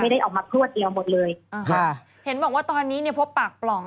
ได้ออกมาพลวดเดียวหมดเลยอ่าค่ะเห็นบอกว่าตอนนี้เนี่ยพบปากปล่อง